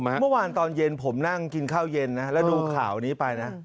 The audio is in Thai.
เมื่อวานตอนเย็นผมนั่งกินข้าวเย็นนะแล้วดูข่าวนี้ไปนะ